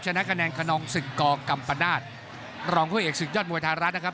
ชนะคะแนนคณองศึกกกรรมนาชรองเข้าเอกศึกยอดมวยธาราชนะครับ